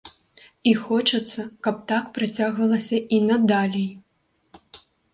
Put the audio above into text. І хочацца, каб так працягвалася і надалей.